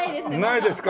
ないですか。